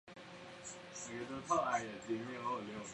滇葎草为桑科葎草属下的一个种。